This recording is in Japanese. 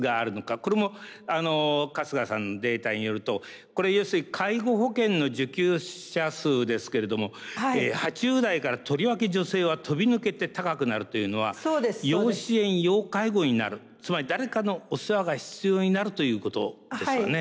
これも春日さんのデータによるとこれ要するに介護保険の受給者数ですけれども８０代からとりわけ女性は飛び抜けて高くなるというのは要支援要介護になるつまり誰かのお世話が必要になるということですかね。